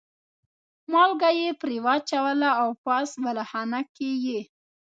مالګه یې پرې واچوله او پاس بالاخانه کې یې.